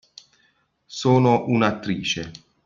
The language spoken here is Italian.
Sono un'attrice.